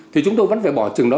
thì chúng tôi vẫn phải bỏ chừng đó